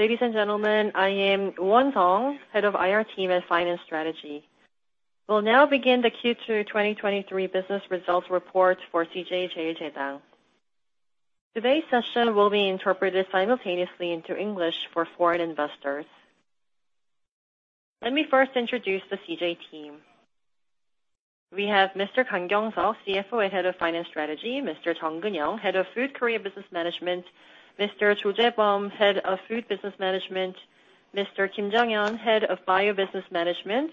Ladies and gentlemen, I am Oh Won Sung, Head of IR Team and Finance Strategy. We'll now begin the Q2 2023 business results report for CJ CheilJedang. Today's session will be interpreted simultaneously into English for foreign investors. Let me first introduce the CJ team. We have Mr. Kang Kyoung Suk, CFO and Head of Finance Strategy, Mr. Jung Keun-yeong, Head of Food Korea Business Management, Mr. Cho Jae-beom, Head of Food Business Management, Mr. Kim Jung-yeon, Head of Bio Business Management,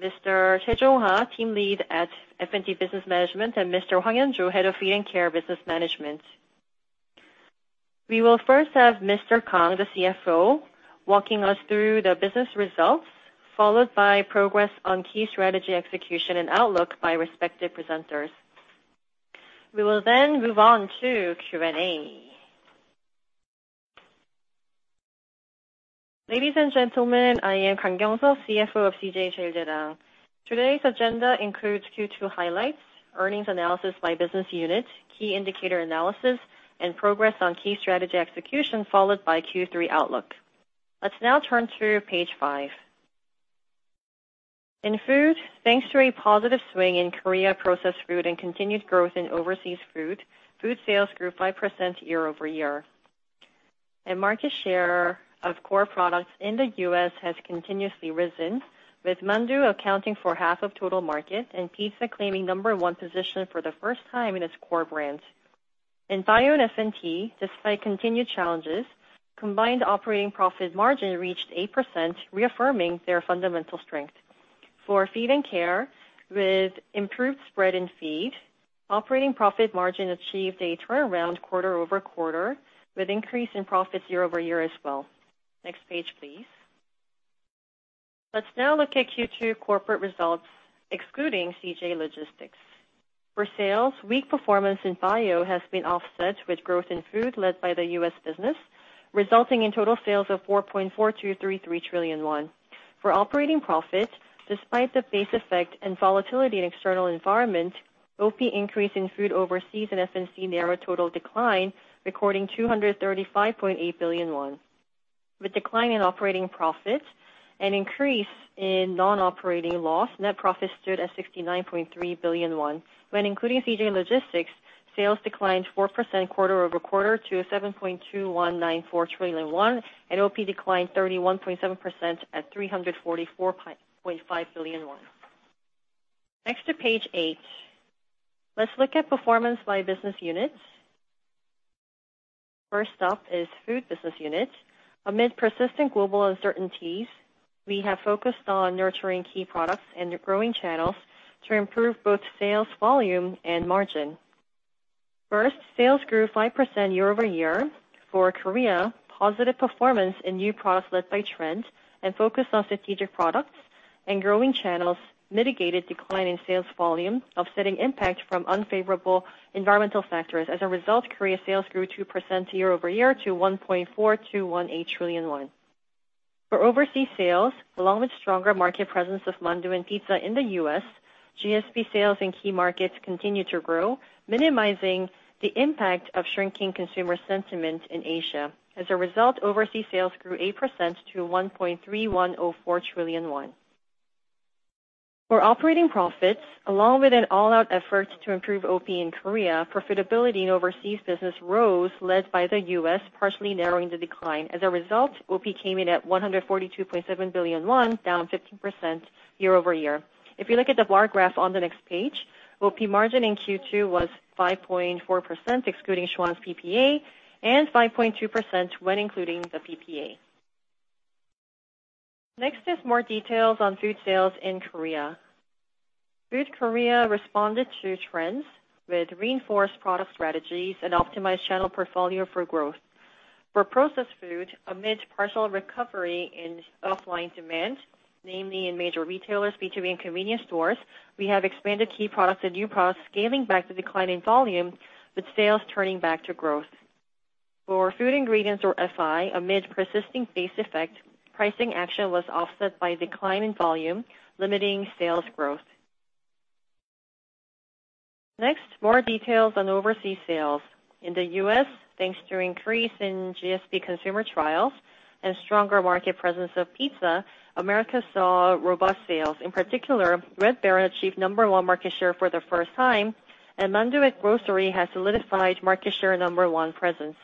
Mr. Choi Jong-ha, Team Lead at F&B Business Management, and Mr. Hwang Hyun-jo, Head of Feed and Care Business Management. We will first have Mr. Kang, the CFO, walking us through the business results, followed by progress on key strategy, execution and outlook by respective presenters. We will then move on to Q&A. Ladies and gentlemen, I am Kang Kyoung Suk, CFO of CJ CheilJedang. Today's agenda includes Q2 highlights, earnings analysis by business unit, key indicator analysis, and progress on key strategy execution, followed by Q3 outlook. Let's now turn to page five. In food, thanks to a positive swing in Korea processed food and continued growth in overseas food, food sales grew 5% year-over-year, and market share of core products in the U.S. has continuously risen, with Mandu accounting for half of total market and pizza claiming number one position for the first time in its core brands. In bio and F&T, despite continued challenges, combined operating profit margin reached 8%, reaffirming their fundamental strength. For Feed and Care, with improved spread in feed, operating profit margin achieved a turnaround quarter-over-quarter, with increase in profits year-over-year as well. Next page, please. Let's now look at Q2 corporate results, excluding CJ Logistics. For sales, weak performance in Bio has been offset with growth in Food led by the U.S. business, resulting in total sales of 4.4233 trillion won. For operating profit, despite the base effect and volatility in external environment, OP increase in Food overseas and F&T narrowed total decline, recording 235.8 billion won. With decline in operating profit and increase in non-operating loss, net profit stood at 69.3 billion won, when including CJ Logistics, sales declined 4% quarter-over-quarter to 7.2194 trillion won, and OP declined 31.7% at 344.5 billion won. Next to page 8. Let's look at performance by business units. First up is Food business unit. Amid persistent global uncertainties, we have focused on nurturing key products and growing channels to improve both sales volume and margin. First, sales grew 5% year-over-year. For Korea, positive performance in new products led by trends and focus on strategic products and growing channels mitigated decline in sales volume, offsetting impact from unfavorable environmental factors. As a result, Korea sales grew 2% year-over-year to 1.4218 trillion won. For overseas sales, along with stronger market presence of mandu and pizza in the U.S., GSP sales in key markets continued to grow, minimizing the impact of shrinking consumer sentiment in Asia. As a result, overseas sales grew 8% to 1.314 trillion won. For operating profits, along with an all-out effort to improve OP in Korea, profitability in overseas business rose, led by the U.S., partially narrowing the decline. As a result, OP came in at 142.7 billion won, down 15% year-over-year. If you look at the bar graph on the next page, OP margin in Q2 was 5.4%, excluding Schwan's PPA, and 5.2% when including the PPA. Next is more details on Food Korea sales in Korea. Food Korea responded to trends with reinforced product strategies and optimized channel portfolio for growth. For processed food, amid partial recovery in offline demand, namely in major retailers, B2B, and convenience stores, we have expanded key products and new products, scaling back the decline in volume, with sales turning back to growth. For food ingredients, or FI, amid persisting base effect, pricing action was offset by decline in volume, limiting sales growth. More details on overseas sales. In the U.S., thanks to increase in GSP consumer trials and stronger market presence of pizza, America saw robust sales. In particular, Red Baron achieved number 1 market share for the first time, and Mandu at grocery has solidified market share number 1 presence.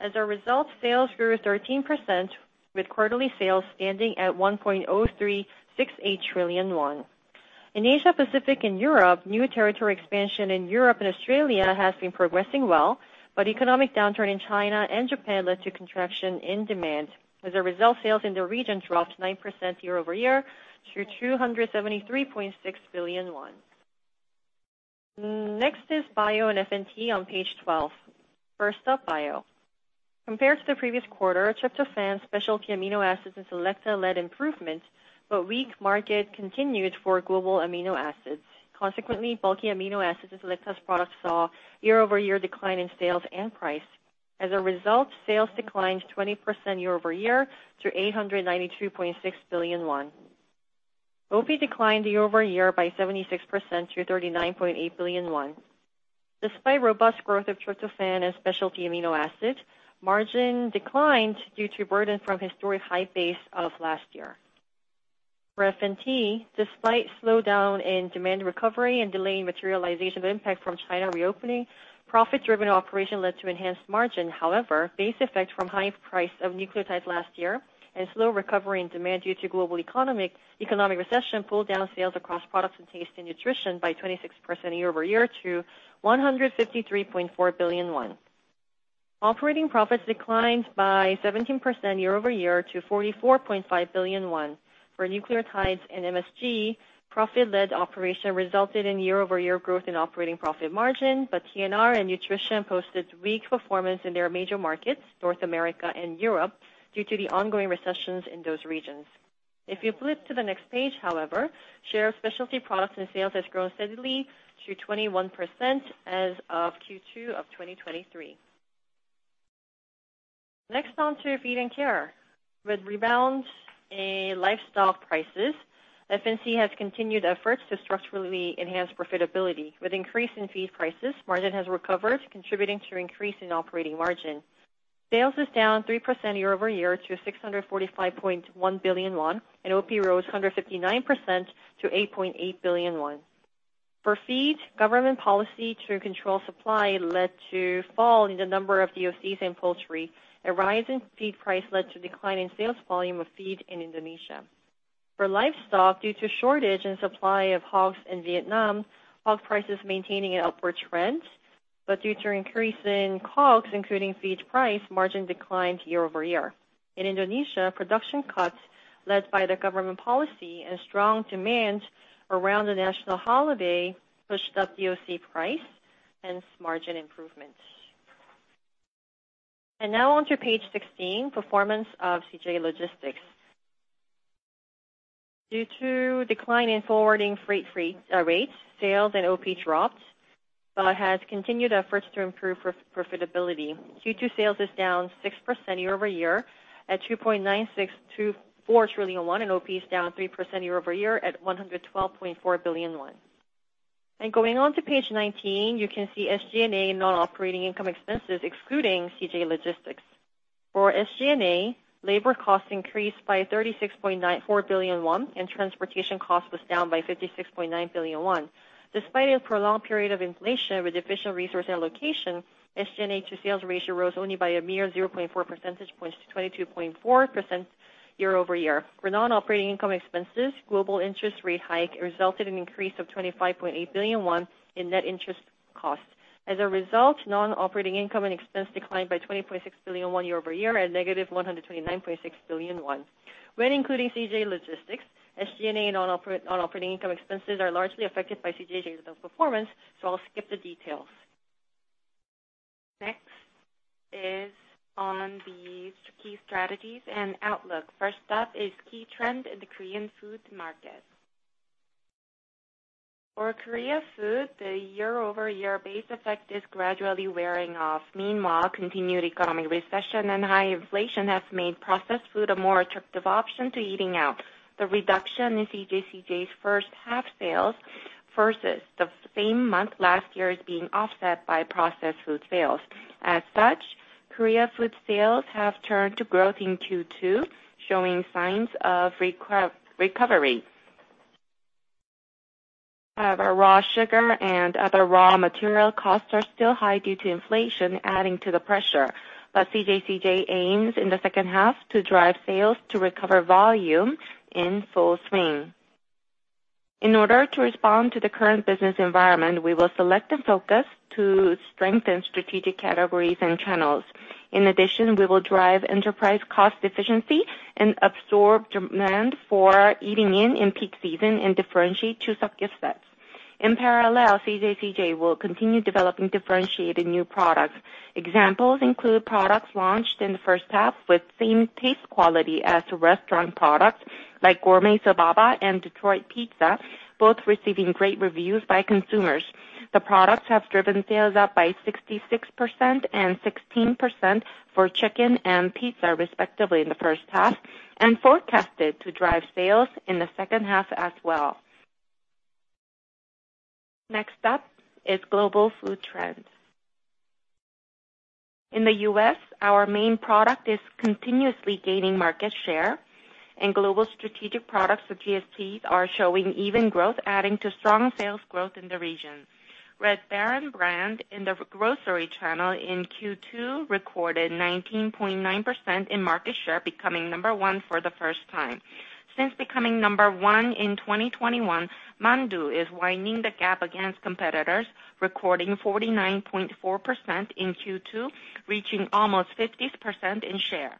As a result, sales grew 13%, with quarterly sales standing at 1.0368 trillion won. In Asia Pacific and Europe, new territory expansion in Europe and Australia has been progressing well, but economic downturn in China and Japan led to contraction in demand. As a result, sales in the region dropped 9% year-over-year to 273.6 billion won. Bio and F&T on page 12. First up, bio. Compared to the previous quarter, tryptophan, specialty amino acids and Selecta led improvement. Weak market continued for global amino acids. Consequently, bulky amino acids and Selecta's products saw year-over-year decline in sales and price. As a result, sales declined 20% year-over-year to 892.6 billion won. OP declined year-over-year by 76% to 39.8 billion won. Despite robust growth of tryptophan and specialty amino acids, margin declined due to burden from historic high base of last year. For F&T, despite slowdown in demand recovery and delayed materialization of impact from China reopening, profit-driven operation led to enhanced margin. However, base effect from high price of nucleotides last year and slow recovery in demand due to global economic recession, pulled down sales across products and taste and nutrition by 26% year-over-year to 153.4 billion won. Operating profits declined by 17% year-over-year to 44.5 billion won. For nucleotides and MSG, profit-led operation resulted in year-over-year growth in operating profit margin. TNR and nutrition posted weak performance in their major markets, North America and Europe, due to the ongoing recessions in those regions. If you flip to the next page, however, share of specialty products and sales has grown steadily to 21% as of Q2 of 2023. Next, on to Feed and Care. With rebound in livestock prices, F&C has continued efforts to structurally enhance profitability. With increase in feed prices, margin has recovered, contributing to increase in operating margin. Sales is down 3% year-over-year to 645.1 billion won, OP rose 159% to 8.8 billion won. For feed, government policy to control supply led to fall in the number of DOCs and poultry. A rise in feed price led to decline in sales volume of feed in Indonesia. For livestock, due to shortage and supply of hogs in Vietnam, hog prices maintaining an upward trend, due to increase in cogs, including feed price, margin declined year-over-year. In Indonesia, production cuts led by the government policy and strong demand around the national holiday, pushed up DOC price, hence margin improvements. Now on to page 16, performance of CJ Logistics. Due to decline in forwarding freight rates, sales and OP dropped, but has continued efforts to improve pro-profitability. Q2 sales is down 6% year-over-year at 2.9624 trillion won, and OP is down 3% year-over-year at 112.4 billion won. Going on to page 19, you can see SG&A non-operating income expenses, excluding CJ Logistics. For SG&A, labor costs increased by 36.94 billion won, and transportation cost was down by 56.9 billion won. Despite a prolonged period of inflation with efficient resource allocation, SG&A to sales ratio rose only by a mere 0.4 percentage points to 22.4% year-over-year. For non-operating income expenses, global interest rate hike resulted in increase of 25.8 billion won in net interest costs. As a result, non-operating income and expense declined by 20.6 billion won year-over-year at negative 129.6 billion won. When including CJ Logistics, SG&A non-operating income expenses are largely affected by CJ Logistics performance, so I'll skip the details. Next is on the key strategies and outlook. First up is key trend in the Korean food market. For Korea food, the year-over-year base effect is gradually wearing off. Meanwhile, continued economic recession and high inflation has made processed food a more attractive option to eating out. The reduction in CJCJ's first half sales versus the same month last year, is being offset by processed food sales. As such, Korea food sales have turned to growth in Q2, showing signs of recovery. Raw sugar and other raw material costs are still high due to inflation, adding to the pressure. CJCJ aims in the second half to drive sales to recover volume in full swing. In order to respond to the current business environment, we will select and focus to strengthen strategic categories and channels. We will drive enterprise cost efficiency and absorb demand for eating in, in peak season and differentiate Chuseok gift sets. CJCJ will continue developing differentiated new products. Examples include products launched in the first half with same taste quality as restaurant products, like Gourmet Sobaba and Detroit pizza, both receiving great reviews by consumers. The products have driven sales up by 66% and 16% for chicken and pizza, respectively, in the first half, and forecasted to drive sales in the second half as well. Next up is global food trends. In the U.S., our main product is continuously gaining market share, and global strategic products, or GSPs, are showing even growth, adding to strong sales growth in the region. Red Baron brand in the grocery channel in Q2 recorded 19.9% in market share, becoming number 1 for the first time. Since becoming number 1 in 2021, Mandu is widening the gap against competitors, recording 49.4% in Q2, reaching almost 50% in share.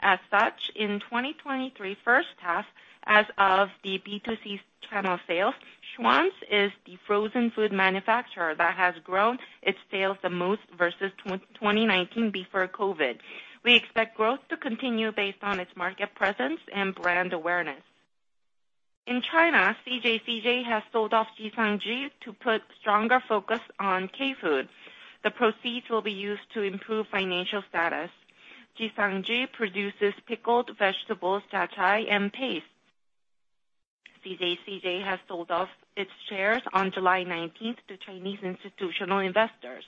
As such, in 2023 first half, as of the B2C channel sales, Schwan's is the frozen food manufacturer that has grown its sales the most versus 2019, before Covid. We expect growth to continue based on its market presence and brand awareness. In China, CJCJ has sold off Jixiangju to put stronger focus on K-food. The proceeds will be used to improve financial status. Jixiangju produces pickled vegetables, zhacai, and paste. CJCJ has sold off its shares on July 19th to Chinese institutional investors.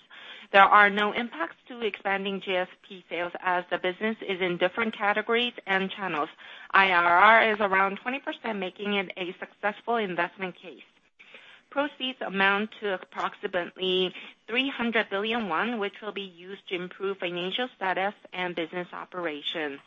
There are no impacts to expanding GSP sales as the business is in different categories and channels. IRR is around 20%, making it a successful investment case. Proceeds amount to approximately 300 billion won, which will be used to improve financial status and business operations.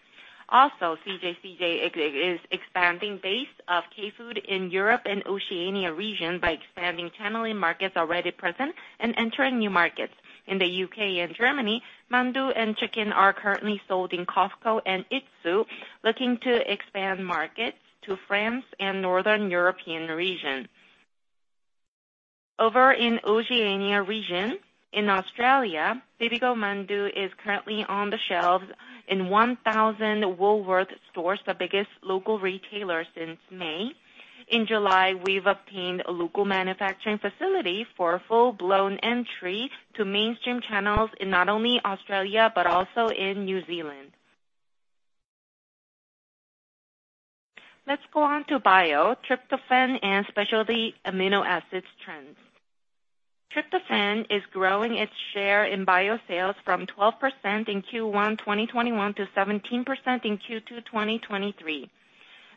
CJCJ is expanding base of K-food in Europe and Oceania by expanding channeling markets already present and entering new markets. In the UK and Germany, mandu and chicken are currently sold in Costco and Itsu, looking to expand markets to France and Northern European region. Over in Oceania, in Australia, Bibigo mandu is currently on the shelves in 1,000 Woolworths stores, the biggest local retailer, since May. In July, we've obtained a local manufacturing facility for a full-blown entry to mainstream channels in not only Australia, but also in New Zealand. Let's go on to bio, tryptophan, and specialty amino acids trends. Tryptophan is growing its share in bio sales from 12% in Q1 2021 to 17% in Q2 2023.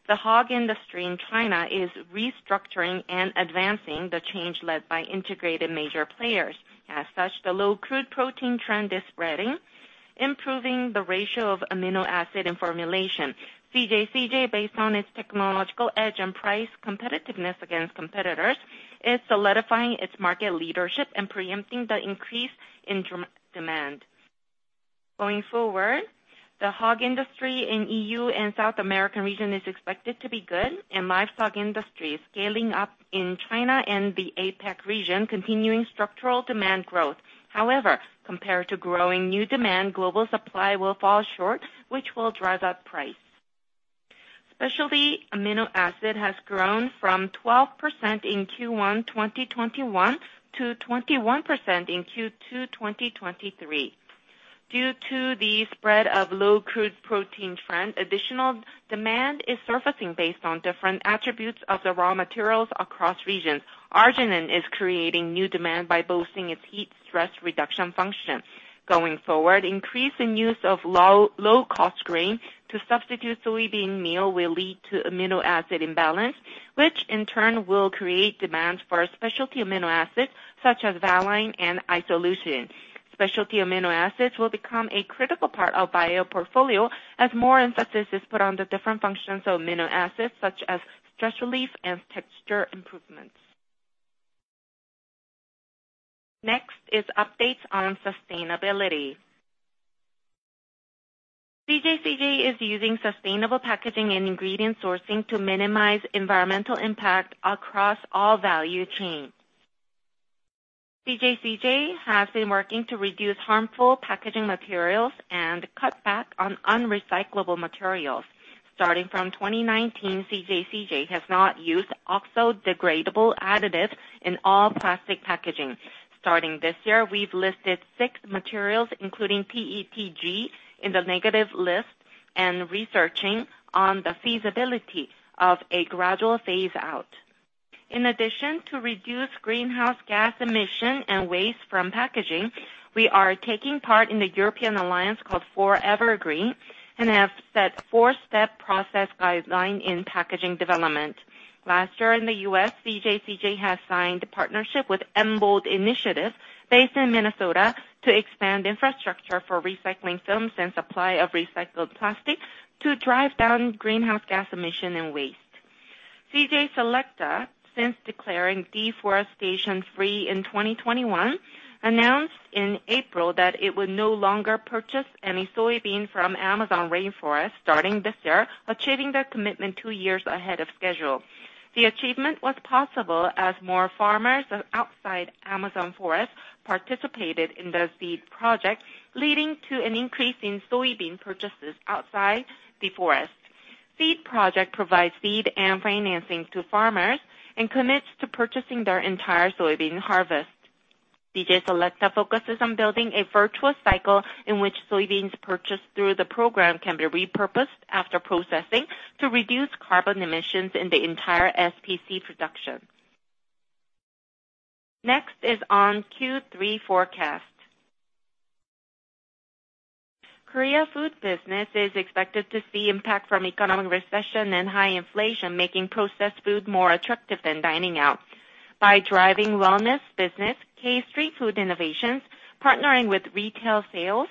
The hog industry in China is restructuring and advancing the change led by integrated major players. As such, the low crude protein trend is spreading, improving the ratio of amino acid and formulation. CJCJ, based on its technological edge and price competitiveness against competitors, is solidifying its market leadership and preempting the increase in demand. Going forward, the hog industry in EU and South American region is expected to be good, and livestock industry is scaling up in China and the APAC region, continuing structural demand growth. However, compared to growing new demand, global supply will fall short, which will drive up price. Specialty amino acid has grown from 12% in Q1 2021 to 21% in Q2 2023. Due to the spread of low crude protein trend, additional demand is surfacing based on different attributes of the raw materials across regions. Arginine is creating new demand by boasting its heat stress reduction function. Going forward, increase in use of low, low-cost grain to substitute soybean meal will lead to amino acid imbalance, which in turn will create demand for specialty amino acids, such as valine and isoleucine. Specialty amino acids will become a critical part of bio portfolio as more emphasis is put on the different functions of amino acids, such as stress relief and texture improvements. Next is updates on sustainability. CJCJ is using sustainable packaging and ingredient sourcing to minimize environmental impact across all value chain. CJCJ has been working to reduce harmful packaging materials and cut back on unrecyclable materials. Starting from 2019, CJCJ has not used oxo-degradable additives in all plastic packaging. Starting this year, we've listed six materials, including PETG, in the negative list and researching on the feasibility of a gradual phase out. In addition to reduced greenhouse gas emission and waste from packaging, we are taking part in the European alliance called Forever Green, and have set 4-step process guideline in packaging development. Last year in the U.S., CJ CJ has signed a partnership with MBOLD Initiative, based in Minnesota, to expand infrastructure for recycling films and supply of recycled plastic to drive down greenhouse gas emission and waste. CJ Selecta, since declaring deforestation free in 2021, announced in April that it would no longer purchase any soybean from Amazon rainforest starting this year, achieving their commitment 2 years ahead of schedule. The achievement was possible as more farmers outside Amazon forest participated in the Seed Project, leading to an increase in soybean purchases outside the forest. Seed Project provides seed and financing to farmers and commits to purchasing their entire soybean harvest. CJ Selecta focuses on building a virtual cycle in which soybeans purchased through the program can be repurposed after processing to reduce carbon emissions in the entire SPC production. Next is on Q3 forecast. Korea food business is expected to see impact from economic recession and high inflation, making processed food more attractive than dining out. By driving wellness business, K-Street Food innovations, partnering with retail sales,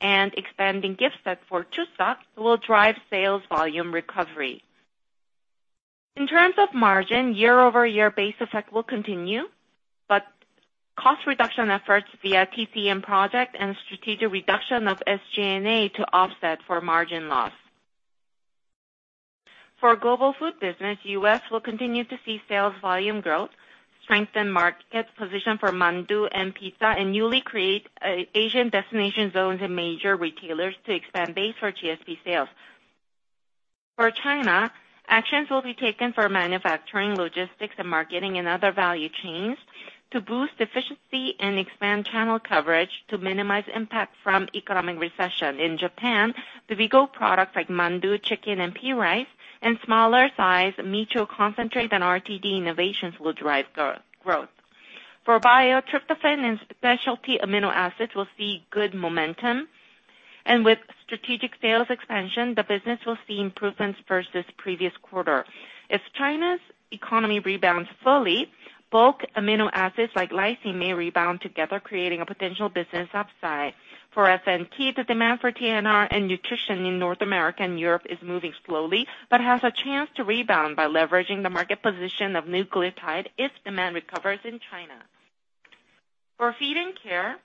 and expanding gift set for Chuseok, will drive sales volume recovery. In terms of margin, year-over-year base effect will continue, but cost reduction efforts via TCM project and strategic reduction of SG&A to offset for margin loss. For global food business, U.S. will continue to see sales volume growth, strengthen market position for Mandu and pizza, newly create, Asian destination zones in major retailers to expand base for GSP sales. For China, actions will be taken for manufacturing, logistics, and marketing and other value chains to boost efficiency and expand channel coverage to minimize impact from economic recession. In Japan, the Vego products like Mandu, chicken, and pea rice, and smaller size Micho concentrate and RTD innovations will drive growth. For Bio, tryptophan and specialty amino acids will see good momentum, and with strategic sales expansion, the business will see improvements versus previous quarter. If China's economy rebounds fully, bulk amino acids like lysine may rebound together, creating a potential business upside. For F&C, the demand for TNR and nutrition in North America and Europe is moving slowly, has a chance to rebound by leveraging the market position of nucleotide if demand recovers in China. For feed and care,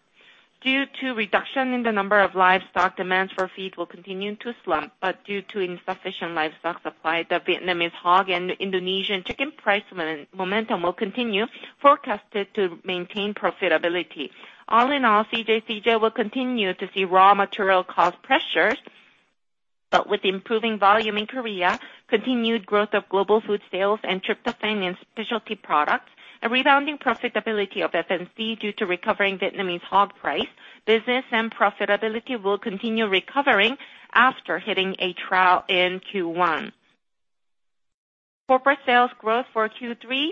due to reduction in the number of livestock, demands for feed will continue to slump, due to insufficient livestock supply, the Vietnamese hog and Indonesian chicken price momentum will continue, forecasted to maintain profitability. All in all, CJ CJ will continue to see raw material cost pressures, with improving volume in Korea, continued growth of global food sales and tryptophan and specialty products, a rebounding profitability of F&C due to recovering Vietnamese hog price, business and profitability will continue recovering after hitting a trial in Q1. Corporate sales growth for Q3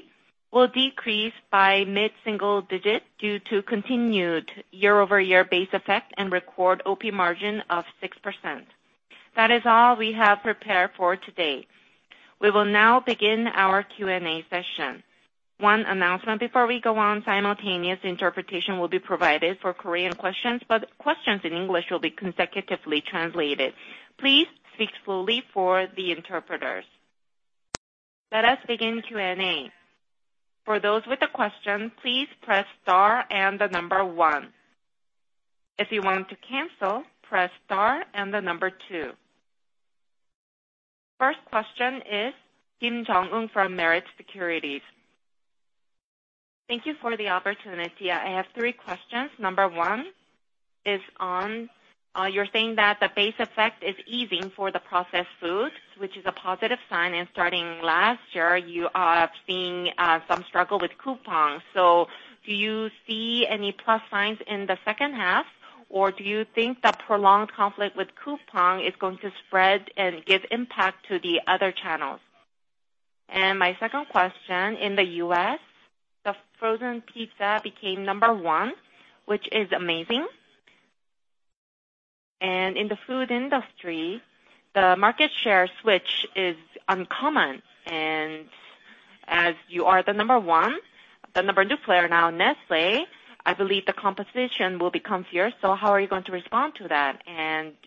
will decrease by mid-single digits due to continued year-over-year base effect and record OP margin of 6%. That is all we have prepared for today. We will now begin our Q&A session. One announcement before we go on, simultaneous interpretation will be provided for Korean questions, but questions in English will be consecutively translated. Please speak slowly for the interpreters. Let us begin Q&A. For those with a question, please press star and the number 1. If you want to cancel, press star and the number 2. First question is Kim Jung-wook from Meritz Securities. Thank you for the opportunity. I have 3 questions. Number 1 is on, you're saying that the base effect is easing for the processed foods, which is a positive sign, and starting last year, you are seeing, some struggle with Coupang. Do you see any plus signs in the second half, or do you think the prolonged conflict with Coupang is going to spread and give impact to the other channels? My second question: in the U.S., the frozen pizza became number one, which is amazing. In the food industry, the market share switch is uncommon, and as you are the number one, the number two player now, Nestlé, I believe the competition will become fierce. How are you going to respond to that?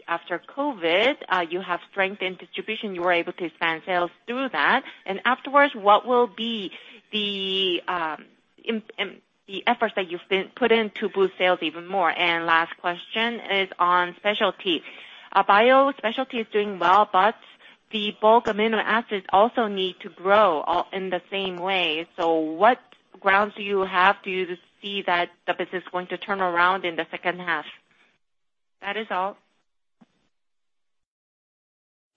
After COVID, you have strengthened distribution, you were able to expand sales through that. Afterwards, what will be the efforts that you've been, put in to boost sales even more? Last question is on specialty. Bio specialty is doing well, but the bulk amino acids also need to grow in the same way. What grounds do you have? Do you see that the business is going to turn around in the second half? That is all.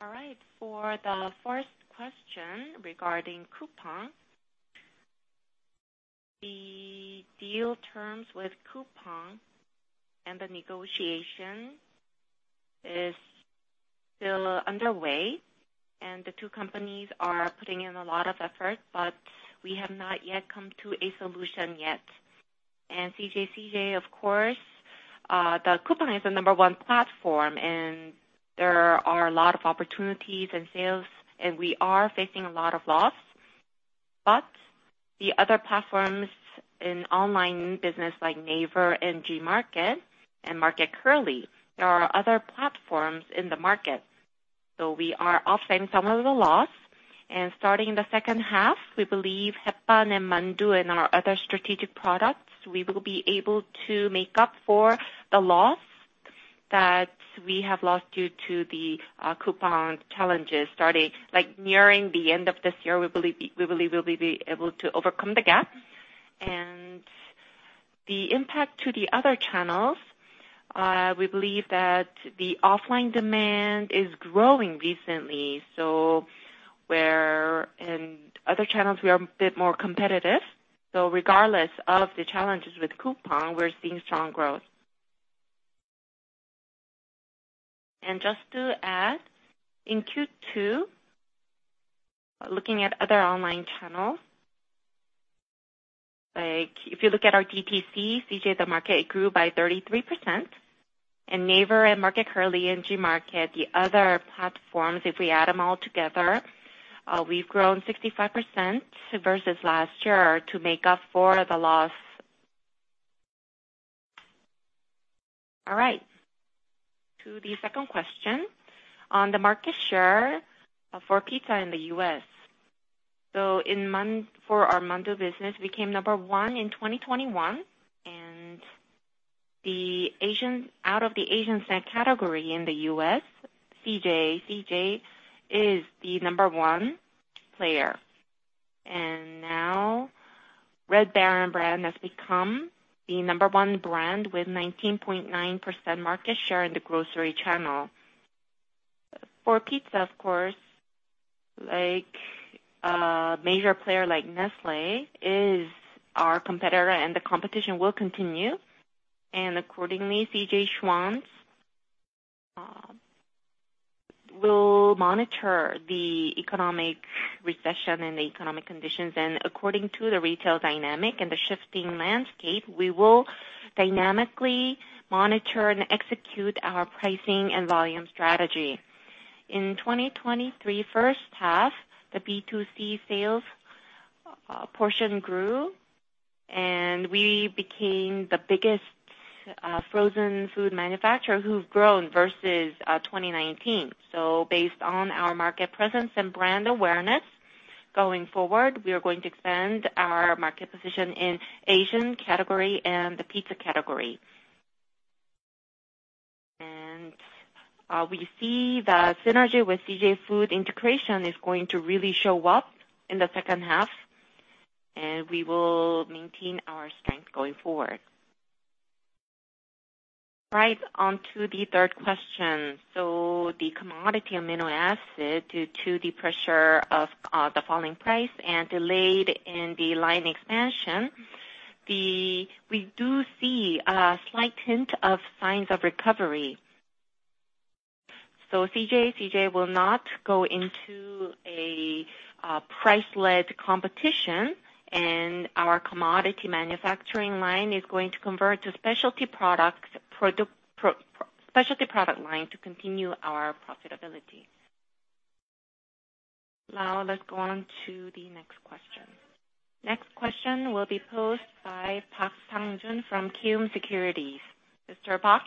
All right, for the first question regarding Coupang, the deal terms with Coupang and the negotiation is still underway, and the two companies are putting in a lot of effort, but we have not yet come to a solution yet. CJCJ, of course, the Coupang is the number one platform, and there are a lot of opportunities and sales, and we are facing a lot of loss. The other platforms in online business, like Naver and Gmarket and Market Kurly, there are other platforms in the market, so we are offsetting some of the loss. Starting in the second half, we believe Hetbahn and Mandu and our other strategic products, we will be able to make up for the loss that we have lost due to the Coupang challenges starting nearing the end of this year, we believe, we believe we'll be able to overcome the gap. The impact to the other channels, we believe that the offline demand is growing recently, so where in other channels, we are a bit more competitive. Regardless of the challenges with Coupang, we're seeing strong growth. Just to add, in Q2, looking at other online channels, like if you look at our DTC, CJCj, the market grew by 33%, and Naver and Market Kurly and Gmarket, the other platforms, if we add them all together, we've grown 65% versus last year to make up for the loss. All right, to the second question on the market share for pizza in the U.S. In our mandu business, we became number one in 2021. Out of the Asian snack category in the U.S., CJCJ is the number one player. Now, Red Baron brand has become the number one brand with 19.9% market share in the grocery channel. For pizza, of course, like, a major player like Nestlé is our competitor. The competition will continue. Accordingly, CJ Schwan's will monitor the economic recession and the economic conditions. According to the retail dynamic and the shifting landscape, we will dynamically monitor and execute our pricing and volume strategy. In 2023 first half, the B2C sales portion grew, and we became the biggest frozen food manufacturer who've grown versus 2019. Based on our market presence and brand awareness, going forward, we are going to expand our market position in Asian category and the pizza category. We see the synergy with CJ Foods integration is going to really show up in the second half, and we will maintain our strength going forward. Right, on to the third question. The commodity amino acid, due to the pressure of the falling price and delayed in the line expansion, we do see a slight hint of signs of recovery. CJCJ will not go into a price-led competition, and our commodity manufacturing line is going to convert to specialty products specialty product line to continue our profitability. Now, let's go on to the next question. Next question will be posed by Park Sang-jun from Kiwoom Securities. Mr. Park?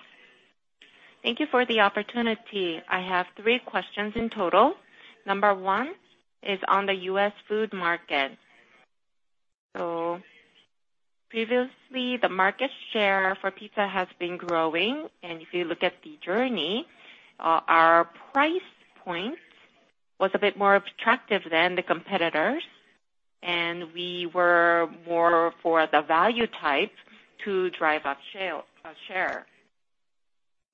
Thank you for the opportunity. I have three questions in total. Number one is on the U.S. food market. Previously, the market share for pizza has been growing, and if you look at the journey, our price point was a bit more attractive than the competitors, and we were more for the value type to drive up shale share.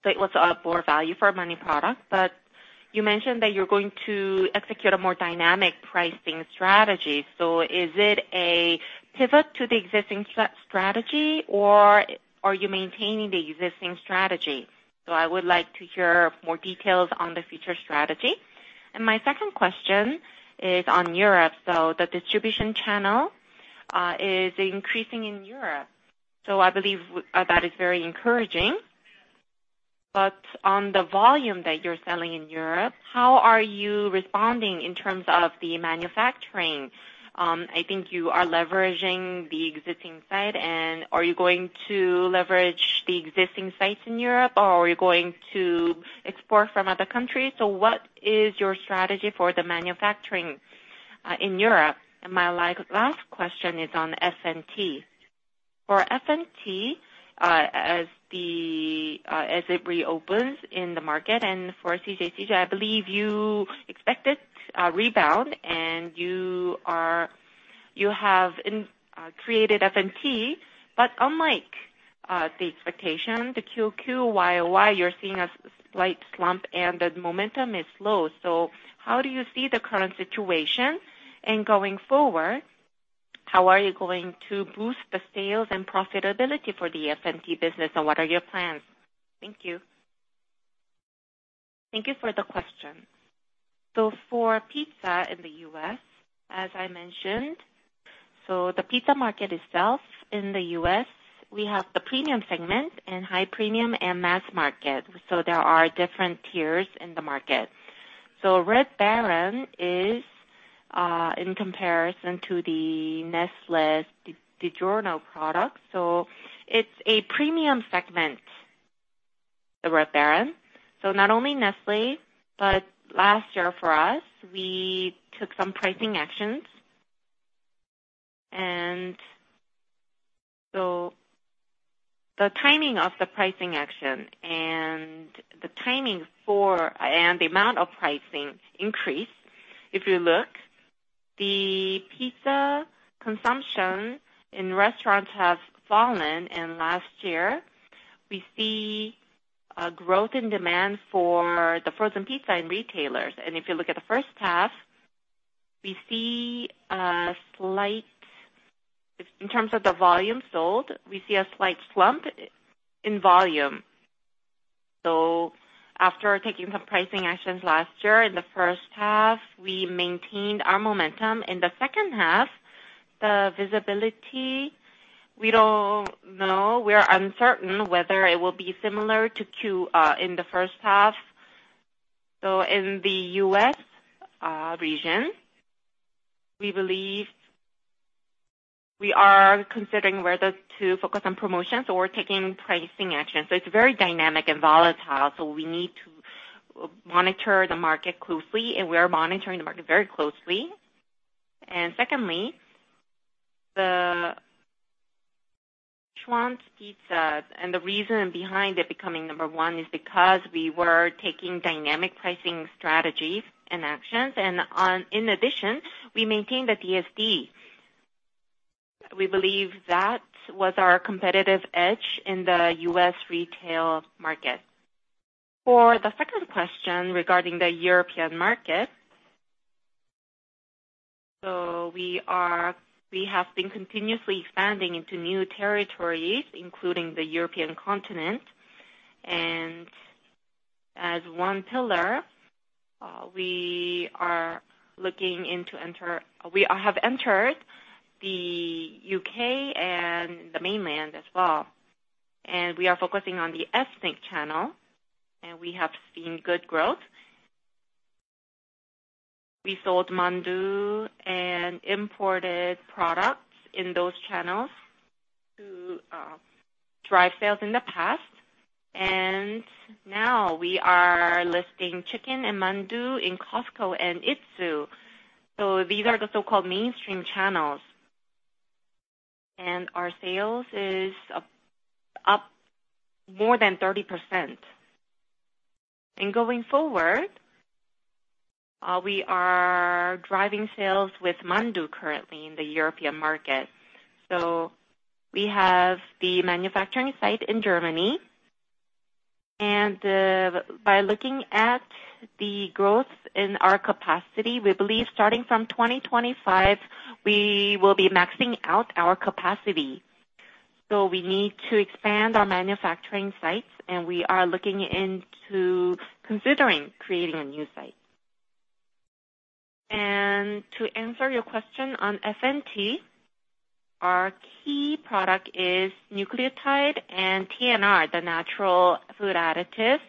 It was a more value for money product, but you mentioned that you're going to execute a more dynamic pricing strategy. Is it a pivot to the existing strategy, or are you maintaining the existing strategy? I would like to hear more details on the future strategy. My second question is on Europe. The distribution channel is increasing in Europe, I believe that is very encouraging. On the volume that you're selling in Europe, how are you responding in terms of the manufacturing? I think you are leveraging the existing site, and are you going to leverage the existing sites in Europe, or are you going to export from other countries? What is your strategy for the manufacturing in Europe? My last question is on FNT. For FNT, as the, as it reopens in the market, and for CJCJ, I believe you expect it to rebound, and you have in created FNT. Unlike the expectation, the QOQ, YOY, you're seeing a slight slump, and the momentum is low. How do you see the current situation? Going forward, how are you going to boost the sales and profitability for the FNT business, and what are your plans? Thank you. Thank you for the question. For pizza in the U.S., as I mentioned, the pizza market itself in the U.S., we have the premium segment and high premium and mass market, there are different tiers in the market. Red Baron is in comparison to the Nestlé's DiGiorno product. It's a premium segment, the Red Baron. Not only Nestlé, but last year for us, we took some pricing actions. The timing of the pricing action and the timing for, and the amount of pricing increase, if you look, the pizza consumption in restaurants have fallen. Last year, we see a growth in demand for the frozen pizza in retailers. If you look at the first half, we see a slight... In terms of the volume sold, we see a slight slump in volume. After taking some pricing actions last year, in the first half, we maintained our momentum. In the second half, the visibility, we don't know. We are uncertain whether it will be similar to Q in the first half. In the U.S. region, we believe we are considering whether to focus on promotions or taking pricing actions. It's very dynamic and volatile, so we need to monitor the market closely, and we are monitoring the market very closely. Secondly, the Schwan's pizza, and the reason behind it becoming number one is because we were taking dynamic pricing strategies and actions, and in addition, we maintained the DSD. We believe that was our competitive edge in the U.S. retail market. For the second question regarding the European market, we have been continuously expanding into new territories, including the European continent. As one pillar, we are looking into we have entered the U.K. and the mainland as well, and we are focusing on the ethnic channel, and we have seen good growth. We sold Mandu and imported products in those channels to drive sales in the past, and now we are listing chicken and Mandu in Costco and Itsu. These are the so-called mainstream channels, and our sales is up, up more than 30%. Going forward, we are driving sales with Mandu currently in the European market. We have the manufacturing site in Germany, and, by looking at the growth in our capacity, we believe starting from 2025, we will be maxing out our capacity. We need to expand our manufacturing sites, and we are looking into considering creating a new site. To answer your question on F&T, our key product is nucleotide and TNR, the natural food additives.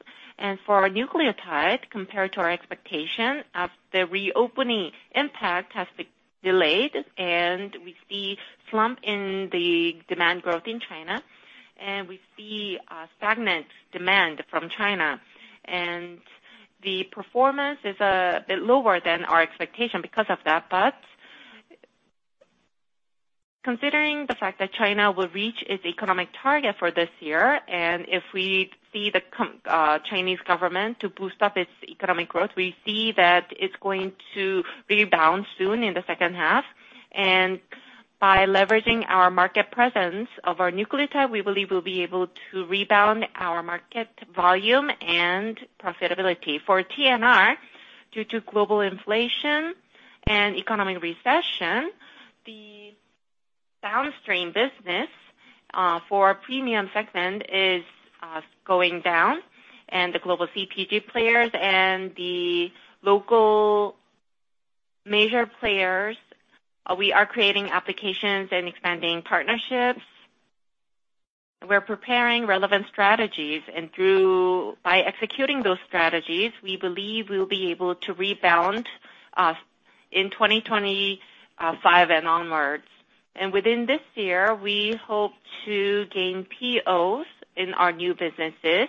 For nucleotide, compared to our expectation, as the reopening impact has been delayed and we see slump in the demand growth in China, and we see a stagnant demand from China. The performance is a bit lower than our expectation because of that. Considering the fact that China will reach its economic target for this year, and if we see the com, Chinese government to boost up its economic growth, we see that it's going to rebound soon in the second half. By leveraging our market presence of our nucleotide, we believe we'll be able to rebound our market volume and profitability. For TNR, due to global inflation and economic recession, the downstream business for premium segment is going down, and the global CPG players and the local major players, we are creating applications and expanding partnerships. We're preparing relevant strategies, and through, by executing those strategies, we believe we'll be able to rebound in 2025 and onwards. Within this year, we hope to gain POs in our new businesses.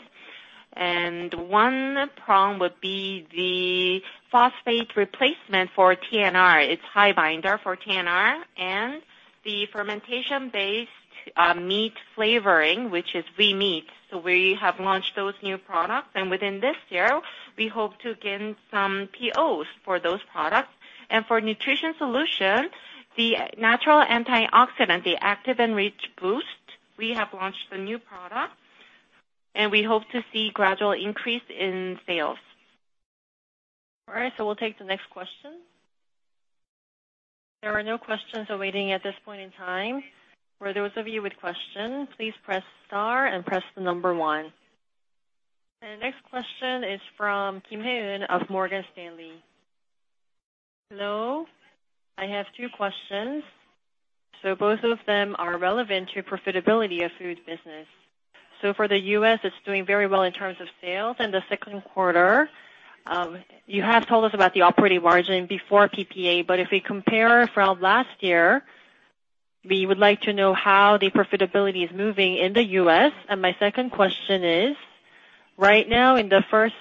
One prong would be the phosphate replacement for TNR. It's HYBIND for TNR and the fermentation-based meat flavoring, which is V meat. We have launched those new products, and within this year, we hope to gain some POs for those products. For nutrition solution, the natural antioxidant, the active enrich boost, we have launched the new product, and we hope to see gradual increase in sales. All right, we'll take the next question. There are no questions waiting at this point in time. For those of you with questions, please press star and press the number 1. The next question is from Kim Hae-in of Morgan Stanley. Hello, I have 2 questions. Both of them are relevant to profitability of food business. For the U.S., it's doing very well in terms of sales in the 2nd quarter. You have told us about the operating margin before PPA, but if we compare from last year, we would like to know how the profitability is moving in the U.S. My 2nd question is, right now, in the 1st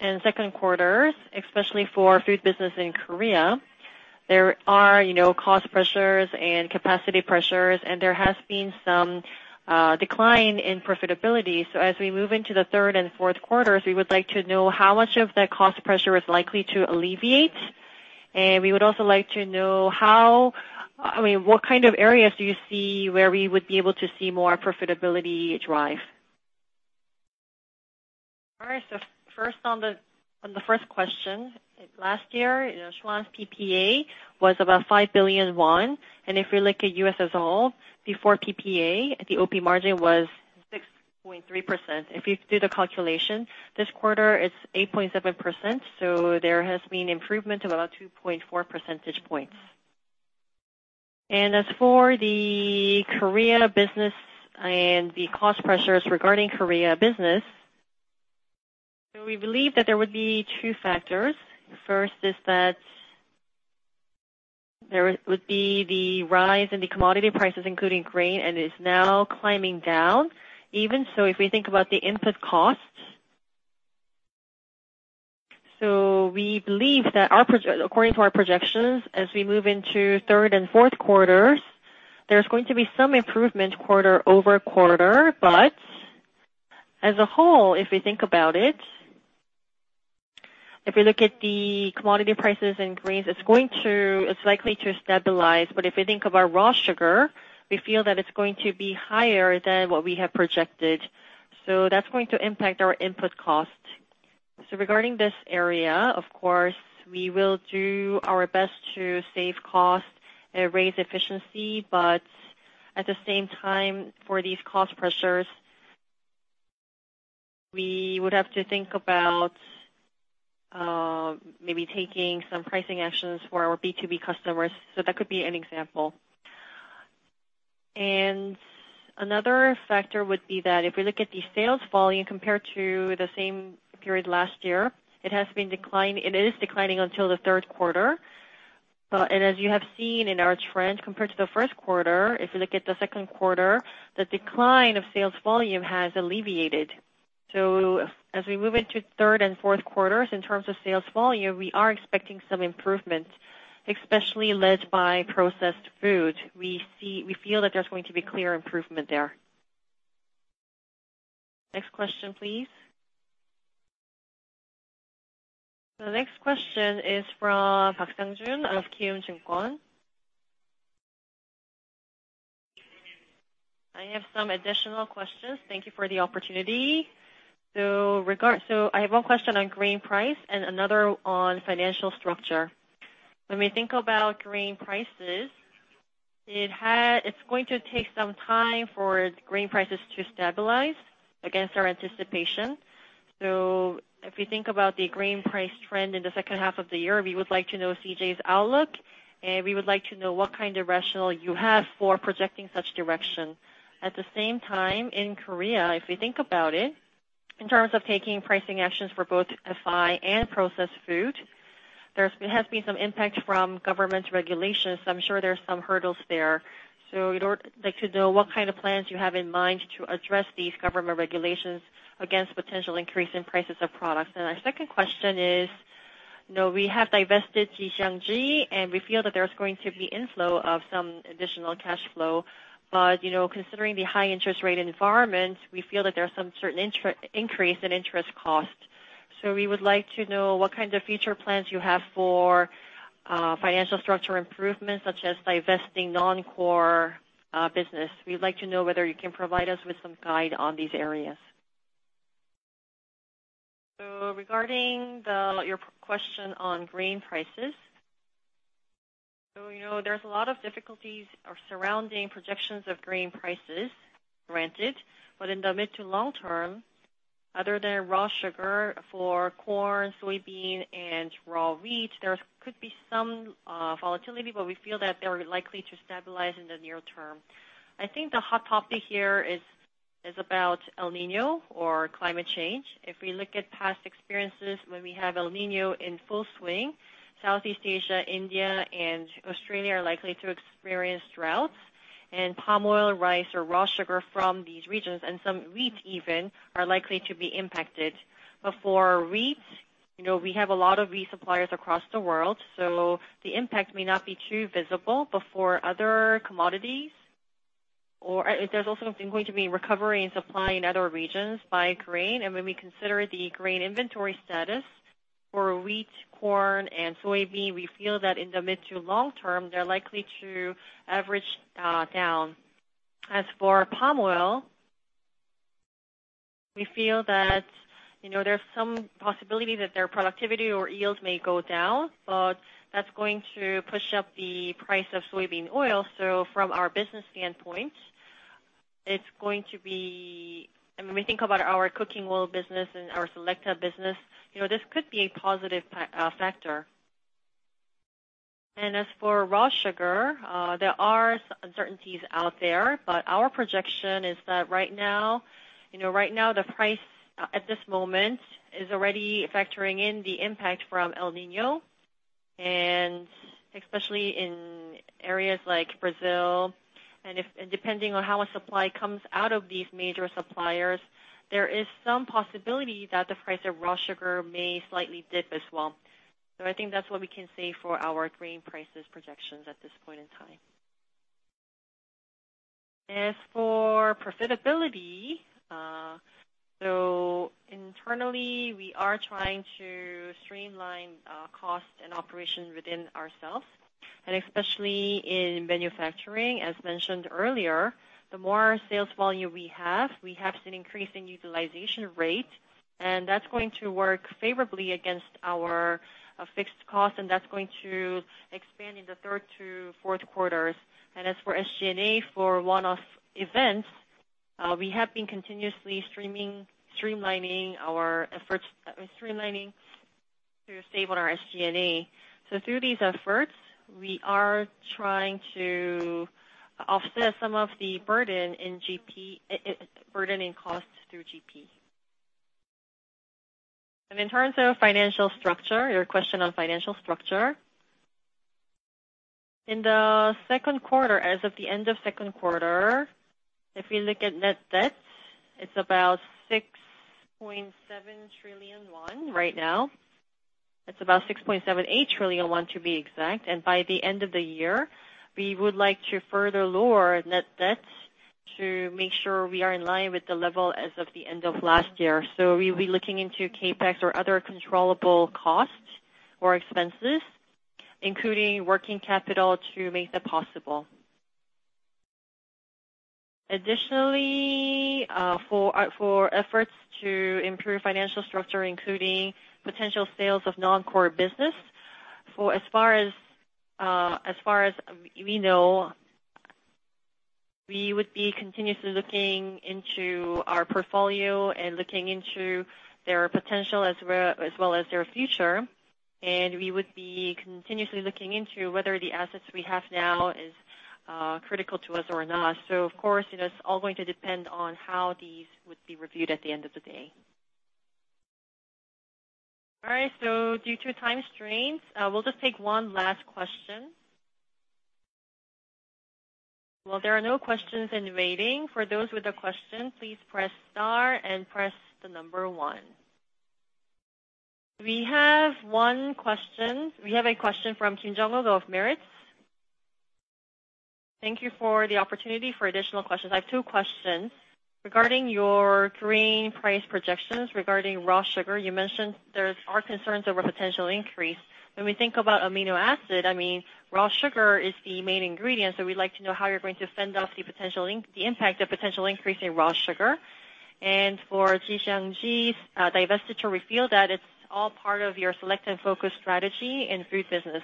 and 2nd quarters, especially for food business in Korea, there are, you know, cost pressures and capacity pressures, and there has been some decline in profitability. As we move into the third and fourth quarters, we would like to know how much of that cost pressure is likely to alleviate. We would also like to know how, I mean, what kind of areas do you see where we would be able to see more profitability drive? All right. First, on the first question, last year, Schwan's PPA was about 5 billion won, if you look at U.S. as all, before PPA, the OP margin was 6.3%. If you do the calculation, this quarter it's 8.7%, there has been improvement of about 2.4 percentage points. As for the Korean business and the cost pressures regarding Korea business, we believe that there would be two factors. First, is that there would be the rise in the commodity prices, including grain, is now climbing down. Even so, if we think about the input costs- We believe that our according to our projections, as we move into third and fourth quarters, there's going to be some improvement quarter-over-quarter. As a whole, if we think about it, if we look at the commodity prices in grains, it's likely to stabilize. If we think of our raw sugar, we feel that it's going to be higher than what we have projected. That's going to impact our input cost. Regarding this area, of course, we will do our best to save cost and raise efficiency, but at the same time, for these cost pressures, we would have to think about maybe taking some pricing actions for our B2B customers. That could be an example. Another factor would be that if we look at the sales volume compared to the same period last year, it has been declining, it is declining until the third quarter. As you have seen in our trend, compared to the first quarter, if you look at the second quarter, the decline of sales volume has alleviated. As we move into third and fourth quarters, in terms of sales volume, we are expecting some improvement, especially led by processed food. We feel that there's going to be clear improvement there. Next question, please. The next question is from Park Sangjun of Kiwoom Securities. `I have some additional questions. Thank you for the opportunity. I have one question on grain price and another on financial structure. When we think about grain prices, it has... It's going to take some time for grain prices to stabilize against our anticipation. If you think about the grain price trend in the second half of the year, we would like to know CJ's outlook, and we would like to know what kind of rationale you have for projecting such direction. At the same time, in Korea, if you think about it, in terms of taking pricing actions for both FI and processed food, there has been some impact from government regulations. I'm sure there are some hurdles there. We would like to know what kind of plans you have in mind to address these government regulations against potential increase in prices of products. Our second question is: you know, we have divested Jixiangju, and we feel that there's going to be inflow of some additional cash flow. You know, considering the high interest rate environment, we feel that there are some certain increase in interest costs. We would like to know what kind of future plans you have for financial structure improvement, such as divesting non-core business. We'd like to know whether you can provide us with some guide on these areas. Regarding the, your question on grain prices, you know, there's a lot of difficulties or surrounding projections of grain prices, granted. In the mid to long term, other than raw sugar, for corn, soybean, and raw wheat, there could be some volatility, but we feel that they are likely to stabilize in the near term. I think the hot topic here is, is about El Niño or climate change. If we look at past experiences, when we have El Niño in full swing, Southeast Asia, India, and Australia are likely to experience droughts, and palm oil, rice or raw sugar from these regions, and some wheat even, are likely to be impacted. For wheat, you know, we have a lot of wheat suppliers across the world, so the impact may not be too visible. For other commodities, or there's also going to be recovery in supply in other regions by grain. When we consider the grain inventory status for wheat, corn, and soybean, we feel that in the mid to long term, they're likely to average down. As for palm oil, we feel that, you know, there's some possibility that their productivity or yields may go down, but that's going to push up the price of soybean oil. From our business standpoint, it's going to be when we think about our cooking oil business and our Selecta business, you know, this could be a positive factor. As for raw sugar, there are uncertainties out there, but our projection is that right now, you know, right now, the price at this moment is already factoring in the impact from El Niño, and especially in areas like Brazil. If, depending on how a supply comes out of these major suppliers, there is some possibility that the price of raw sugar may slightly dip as well. I think that's what we can say for our grain prices projections at this point in time. As for profitability, internally, we are trying to streamline costs and operations within ourselves, and especially in manufacturing. As mentioned earlier, the more sales volume we have, we have an increase in utilization rate, and that's going to work favorably against our fixed costs, and that's going to expand in the third to fourth quarters. As for SG&A, for one-off events, we have been continuously streaming, streamlining our efforts, streamlining to save on our SG&A. Through these efforts, we are trying to offset some of the burden in GP, burden in costs through GP. In terms of financial structure, your question on financial structure? In the second quarter, as of the end of second quarter, if you look at net debt, it's about 6.7 trillion won right now. It's about 6.78 trillion won to be exact. By the end of the year, we would like to further lower net debt to make sure we are in line with the level as of the end of last year. We'll be looking into CapEx or other controllable costs or expenses, including working capital, to make that possible. Additionally, for our, for efforts to improve financial structure, including potential sales of non-core business, for as far as, as far as we know, we would be continuously looking into our portfolio and looking into their potential as well, as well as their future. We would be continuously looking into whether the assets we have now is critical to us or not. Of course, it is all going to depend on how these would be reviewed at the end of the day. All right, due to time constraints, we'll just take 1 last question. Well, there are no questions in waiting. For those with a question, please press star and press the number 1. We have 1 question. We have a question from Kim Jung-Wook of Meritz Securities. Thank you for the opportunity for additional questions. I have 2 questions: Regarding your green price projections regarding raw sugar, you mentioned there are concerns over a potential increase. When we think about amino acid, I mean, raw sugar is the main ingredient, so we'd like to know how you're going to fend off the potential the impact of potential increase in raw sugar. For Jixiangju's divestiture, we feel that it's all part of your select and focus strategy in food business.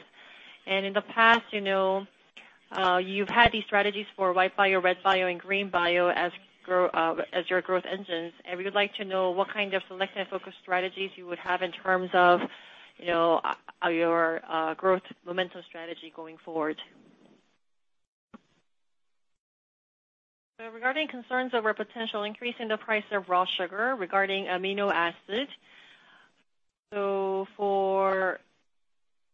In the past, you know, you've had these strategies for White BIO, Red BIO, and Green BIO as grow, as your growth engines. We would like to know what kind of select and focus strategies you would have in terms of, you know, your growth momentum strategy going forward. Regarding concerns over a potential increase in the price of raw sugar, regarding amino acid,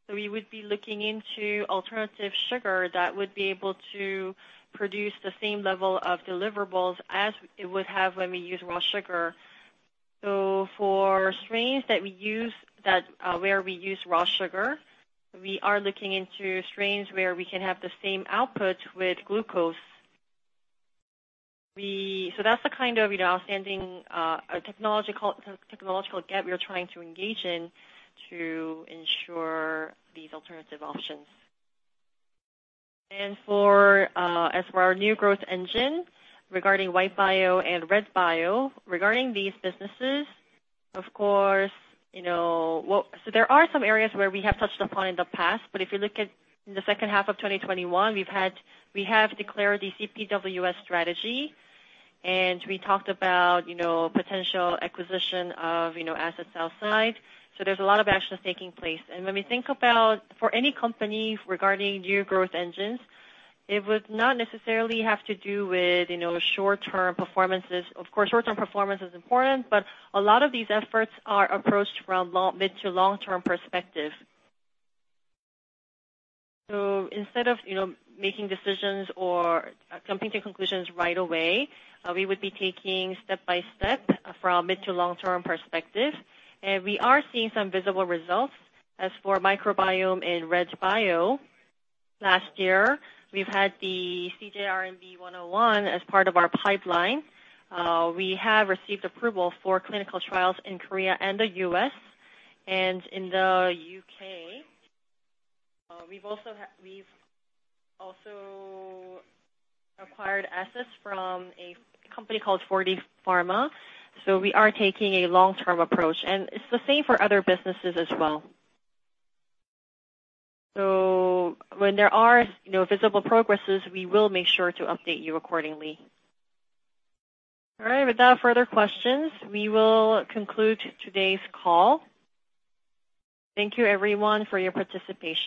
we would be looking into alternative sugar that would be able to produce the same level of deliverables as it would have when we use raw sugar. For strains that we use, that, where we use raw sugar, we are looking into strains where we can have the same output with glucose. So that's the kind of, you know, outstanding, technological, technological gap we are trying to engage in to ensure these alternative options. As for our new growth engine, regarding White BIO and Red BIO, regarding these businesses, of course, you know, well, so there are some areas where we have touched upon in the past, but if you look at in the second half of 2021, we have declared the CPWS strategy, and we talked about, you know, potential acquisition of, you know, assets outside. There's a lot of actions taking place. When we think about for any company regarding new growth engines, it would not necessarily have to do with, you know, short-term performances. Of course, short-term performance is important, but a lot of these efforts are approached from long, mid-to-long-term perspective. Instead of, you know, making decisions or coming to conclusions right away, we would be taking step by step from mid to long-term perspective, and we are seeing some visible results. As for microbiome in Red BIO, last year, we've had the CJRMB-101 as part of our pipeline. We have received approval for clinical trials in Korea and the U.S. and in the U.K. We've also acquired assets from a company called 4D pharma, so we are taking a long-term approach, and it's the same for other businesses as well. When there are, you know, visible progresses, we will make sure to update you accordingly. All right. Without further questions, we will conclude today's call. Thank you everyone for your participation.